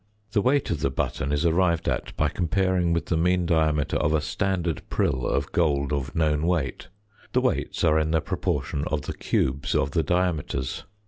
The weight of the button is arrived at by comparing with the mean diameter of a standard prill of gold of known weight. The weights are in the proportion of the cubes of the diameters.